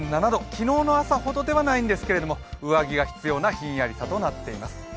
昨日の朝ほどではないんですけど上着が必要なひんやりさとなっています。